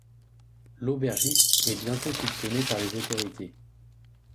L'aubergiste est bientôt soupçonné par les autorités...